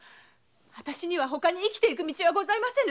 私にはほかに生きていく道はございませぬ。